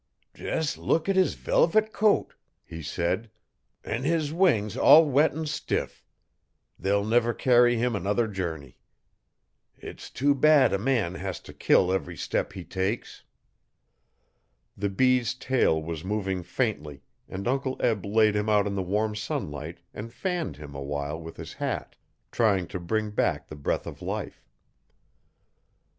'Jes' look at his velvet coat,' he said, 'an' his wings all wet n' stiff. They'll never carry him another journey. It's too bad a man has t' kill every step he takes.' The bee's tail was moving faintly and Uncle Eb laid him out in the warm sunlight and fanned him awhile with his hat, trying to bring back the breath of life.